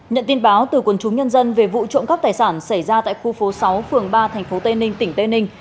nhận tin báo từ quần chúng nhân dân về vụ trộm cắp tài sản xảy ra tại khu phố sáu phường ba tp tây ninh tỉnh tây ninh